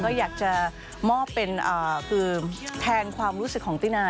ก็อยากจะแทนความรู้สึกของติ๊นา